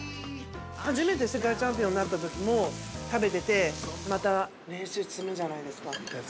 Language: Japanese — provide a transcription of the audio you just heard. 初めて世界チャンピオンになったときも食べててまた、練習積むじゃないですか。